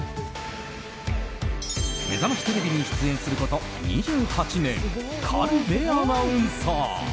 「めざましテレビ」に出演すること２８年軽部アナウンサー。